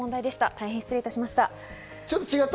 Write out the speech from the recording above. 大変失礼いたしました。